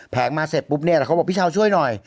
แงมาเสร็จปุ๊บเนี่ยแต่เขาบอกพี่เช้าช่วยหน่อย